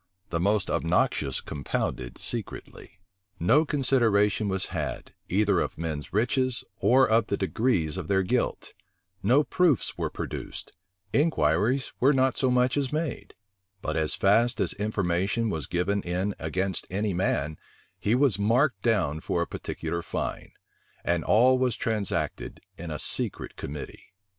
[*] The most obnoxious compounded secretly. * Burnet, p. 152. Burnet, p. 147. No consideration was had, either of men's riches, or of the degrees of their guilt: no proofs were produced: inquiries were not so much as made: but as fast as information was given in against any man, he was marked down for a particular fine: and all was transacted in a secret committee.